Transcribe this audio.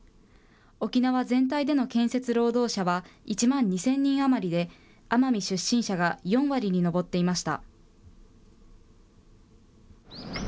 沖縄全体での建設労働者は１万２０００人余りで、奄美出身者が４割に上っていました。